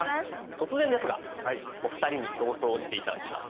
突然ですがお二人に競争をして頂きます。